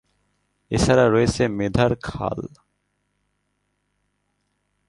এছাড়া রয়েছে মেধার খাল।